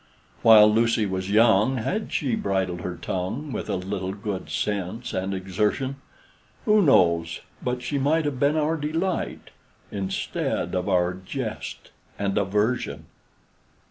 While Lucy was young, had she bridled her tongue With a little good sense and exertion, Who knows but she might have been our delight, Instead of our jest and aversion?